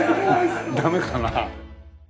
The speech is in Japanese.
ダメかな？